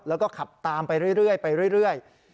แล้วก็ขับตามไปเรื่อย